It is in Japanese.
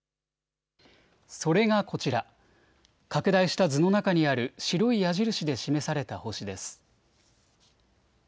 それがこちら、拡大した図の中にある白い矢印で示された星です。